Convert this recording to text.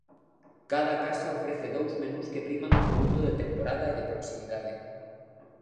Cada casa ofrece dous menús que priman o produto de temporada e de proximidade.